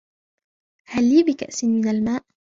هل لي بكأس من الماء